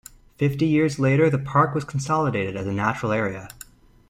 Fifty years later the park was consolidated as a natural area.